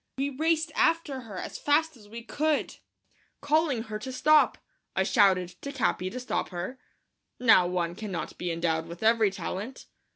We raced after her as fast as we could, calling to her to stop. I shouted to Capi to stop her. Now one cannot be endowed with every talent.